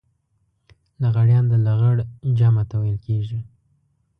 لغړيان د لغړ جمع ته ويل کېږي.